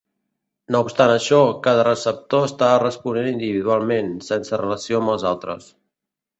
No obstant això, cada receptor està responent individualment, sense relació amb els altres.